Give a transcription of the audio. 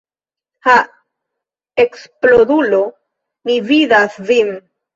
Ha eksplodulo, mi vidas vin!